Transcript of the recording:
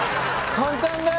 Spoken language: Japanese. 簡単だよ。